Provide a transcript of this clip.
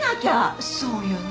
そうよね。